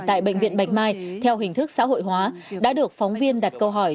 tại bệnh viện bạch mai theo hình thức xã hội hóa đã được phóng viên đặt câu hỏi